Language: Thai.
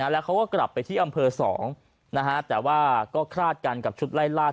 แล้วเขาก็กลับไปที่อำเภอ๒แต่ว่าก็คลาดกันกับชุดไล่ลาก